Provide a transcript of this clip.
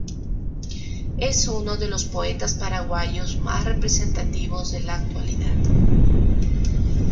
Es uno de los poetas paraguayos más representativos de la actualidad.